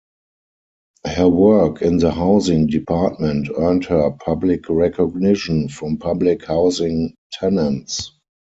Her work in the Housing Department earned her public recognition from public housing tenants.